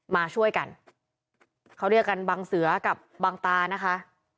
มาช่วยกันเขาเรียกกันบังเสือกับบังตานะคะ